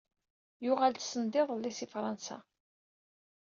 Yuɣal-d send iḍelli si Fransa.